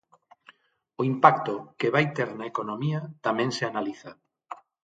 O impacto que vai ter na economía tamén se analiza.